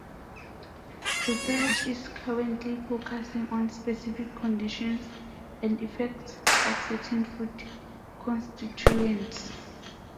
Research is currently focussing on specific conditions and effects of certain food constituents.